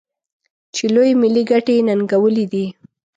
چې لویې ملي ګټې یې ننګولي دي.